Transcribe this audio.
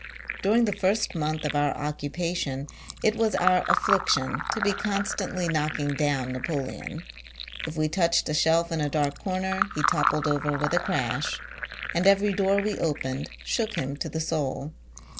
During the first month of our occupation, it was our afflic tion to be constantly knocking down Napo leon : if we touched a shelf in a dark corner, he toppled over with a crash ; and every door we opened, shook him to the soul.